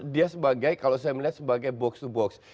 dia sebagai kalau saya melihat sebagai box to box